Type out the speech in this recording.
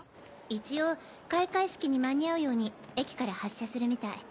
一応開会式に間に合うように駅から発車するみたい。